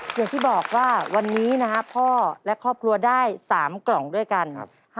อย่างที่บอกว่าวันนี้นะครับพ่อและครอบครัวได้๓กล่องด้วยกัน